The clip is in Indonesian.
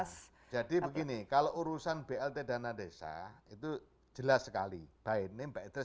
hal itu berbakatnya bukan hanya untuk pelayanan maupun pembelajaran